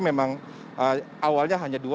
memang awalnya hanya dua